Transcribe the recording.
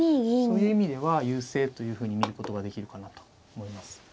そういう意味では優勢というふうに見ることができるかなと思います。